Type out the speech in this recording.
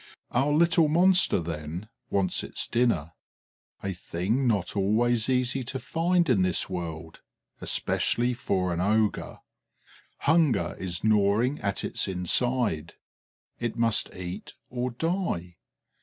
Our little monster, then, wants its dinner, a thing not always easy to find in this world, especially for an ogre. Hunger is gnawing at its inside; it must eat or die.